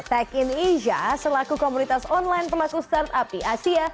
tech in asia selaku komunitas online pelaku startup di asia